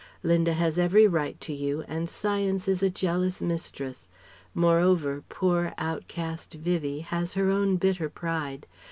Linda has every right to you and Science is a jealous mistress. Moreover poor, outcast Vivie has her own bitter pride.